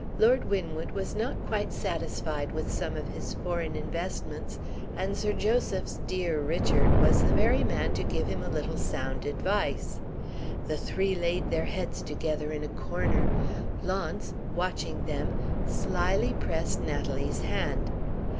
Lord Winwood was not quite satisfied with some of his foreign investments; and Sir Joseph's "dear Richard" was the very man to give him a little sound advice. The three laid their heads together in a corner. Launce (watching them) slyly pressed Natalie's hand.